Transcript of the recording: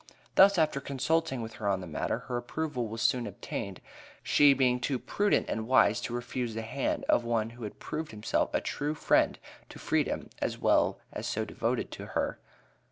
Thus after consulting with her on the matter, her approval was soon obtained, she being too prudent and wise to refuse the hand of one who had proved himself so true a friend to Freedom, as well as so devoted to her.